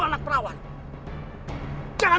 aku aja yang dengar